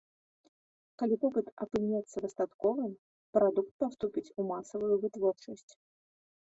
Калі попыт апынецца дастатковым, прадукт паступіць у масавую вытворчасць.